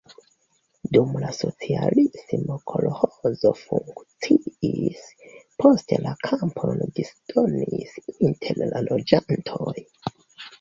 Dum la socialismo kolĥozo funkciis, poste la kampojn disdonis inter la loĝantoj.